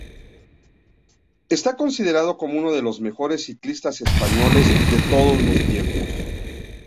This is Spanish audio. Está considerado como uno de los mejores ciclistas españoles de todos los tiempos.